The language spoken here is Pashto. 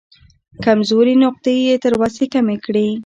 کمزورې نقطې یې تر وسې کمې کړې.